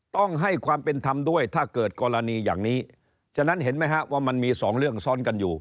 ต้องให้ความเป็นธรรมด้วยถ้าเกิดกรณีอย่างนี้ฉะนั้นเห็นไหมฮะว่ามันมีสองเรื่องซ้อนกันอยู่